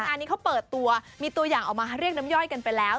อันนี้เขาเปิดตัวมีตัวอย่างออกมาเรียกน้ำย่อยกันไปแล้ว